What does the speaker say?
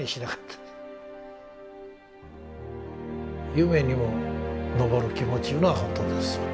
夢にも昇る気持ちいうのは本当ですわ。